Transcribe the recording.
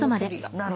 なるほど。